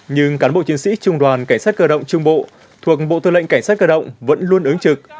nhưng cán bộ chiến sĩ trung đoàn cảnh sát cơ động trung bộ thuộc bộ tư lệnh cảnh sát cơ động vẫn luôn ứng trực